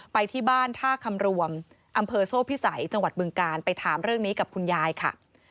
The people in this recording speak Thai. ไปที่บ้านท่าคำรวมอำเภอโซ่พิสัยจังหวัดบึงการไปถามเรื่องนี้กับคุณยายค่ะ